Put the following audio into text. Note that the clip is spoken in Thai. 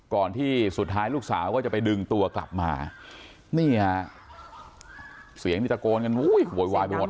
ก่อนที่สุดท้ายลูกสาวก็จะไปดึงตัวกลับมานี่ฮะเสียงนี่ตะโกนกันโวยวายไปหมด